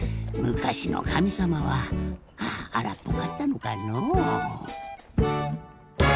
むかしのかみさまはあらっぽかったのかのう。